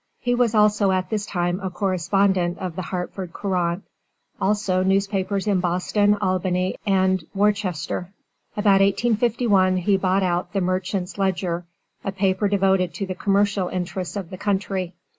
He was also at this time a correspondent of the Hartford Courant, also newspapers in Boston, Albany and Worcester. About 1851 he bought out the Merchants Ledger, a paper devoted to the commercial interests of the country.